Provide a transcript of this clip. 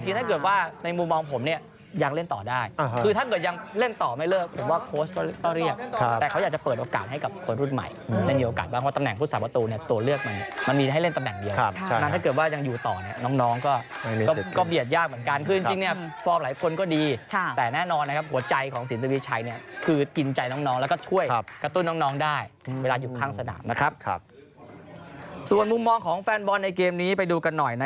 ตำแหน่งผู้สาปตัวตัวเลือกมันมันมีให้เล่นตำแหน่งเดียวถ้าเกิดว่ายังอยู่ต่อเนี่ยน้องก็เบียดยากเหมือนกันคือจริงเนี่ยฟอร์มหลายคนก็ดีแต่แน่นอนนะครับหัวใจของสินทวีชัยเนี่ยคือกินใจน้องแล้วก็ช่วยกระตุ้นน้องได้เวลาอยู่ข้างสดามนะครับส่วนมุมมองของแฟนบอลในเกมนี้ไปดูกันหน่อยนะ